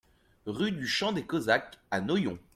Rue du Champ des Cosaques à Noyon